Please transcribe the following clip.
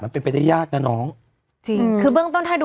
ไปได้ยากนะน้องจริงคือเบื้องต้นถ้าดู